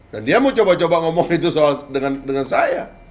dan dia mau coba coba ngomong itu soal dengan dengan sebagainya